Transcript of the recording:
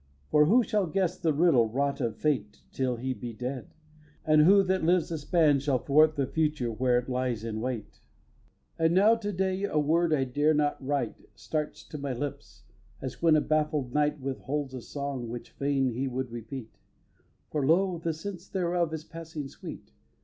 For who shall guess the riddle wrought of Fate Till he be dead? And who that lives a span Shall thwart the Future where it lies in wait? viii. And now to day a word I dare not write Starts to my lips, as when a baffled knight Witholds a song which fain he would repeat; For lo! the sense thereof is passing sweet.